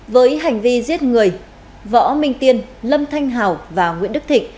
với hành vi giết người võ minh tiên lâm thanh hảo và nguyễn đức thịnh